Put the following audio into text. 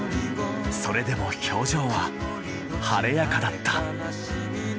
それでも表情は晴れやかだった。